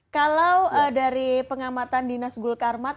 kalau dari pengamatan dinas gul karmat